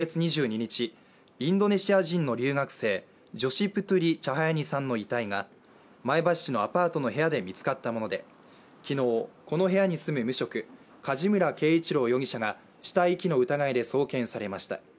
この事件は今月２２日、インドネシア人の留学生ジョシ・プトゥリ・チャハヤニさんの遺体が前橋市のアパートの部屋で見つかったもので、昨日この部屋に住む無職、梶村圭一郎容疑者が死体遺棄の疑いで送検されました。